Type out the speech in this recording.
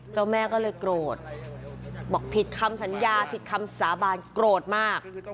เจ้าแม่ก็เลยโกรธบอกผิดคำสัญญาผิดคำสาบานโกรธมาก